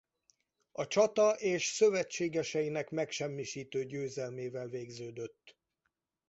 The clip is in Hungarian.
A csata és szövetségeseinek megsemmisítő győzelmével végződött.